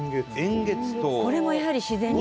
これもやはり自然に。